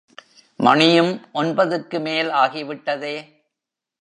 மணியும் ஒன்பதுக்குமேல் ஆகி விட்டதே!